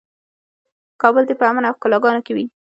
کابل دې په امن او ښکلاګانو کې وي.